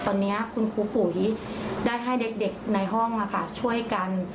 ตอนนี้คุณครูปุ๋ยได้ให้เด็กในห้องช่วยกัน